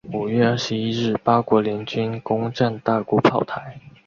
五月二十一日八国联军攻战大沽炮台。